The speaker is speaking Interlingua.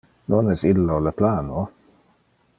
Non es illo le plano?